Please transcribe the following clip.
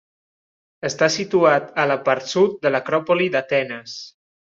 Està situat a la part sud de l'acròpoli d'Atenes.